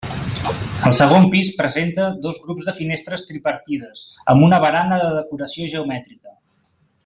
El segon pis presenta dos grups de finestres tripartides amb una barana de decoració geomètrica.